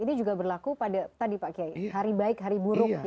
ini juga berlaku pada hari baik hari buruk